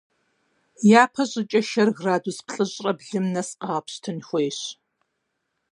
Япэ щӏыкӏэ шэр градус плӏыщӏрэ блым нэс къэгъэпщтын хуейщ.